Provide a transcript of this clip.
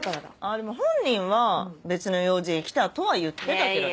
でも本人は別の用事で来たとは言ってたけどね。